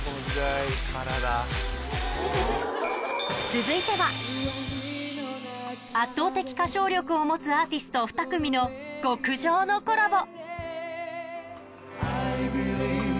続いては圧倒的歌唱力を持つアーティスト２組の極上のコラボ